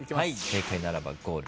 正解ならばゴール。